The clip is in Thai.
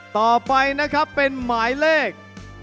ต่อไปนะครับเป็นหมายเลข